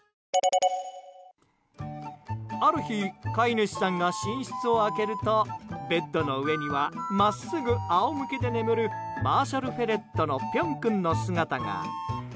ある日、飼い主さんが寝室を開けるとベッドの上には真っすぐ仰向けで眠るマーシャルフェレットのぴょん君の姿が。